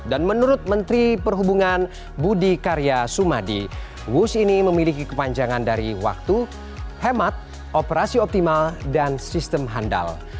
dan menurut menteri perhubungan budi karya sumadi wush ini memiliki kepanjangan dari waktu hemat operasi optimal dan sistem handal